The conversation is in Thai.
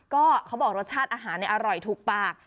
ก็เขาบอกรสชาติอาหารอร่อยถูกปาก